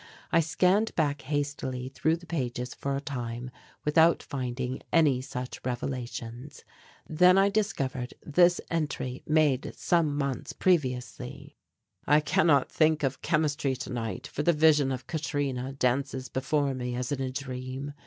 I scanned back hastily through the pages for a time without finding any such revelations. Then I discovered this entry made some months previously: "I cannot think of chemistry tonight, for the vision of Katrina dances before me as in a dream.